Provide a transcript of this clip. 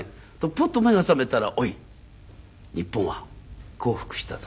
パッと目が覚めたら「おい日本は降伏したぞ」